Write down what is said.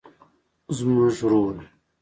زموږ رول